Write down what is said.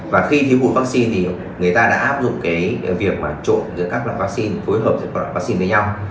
và khi thiếu hụt vaccine thì người ta đã áp dụng cái việc mà trộn giữa các loại vaccine phối hợp giữa các loại vaccine với nhau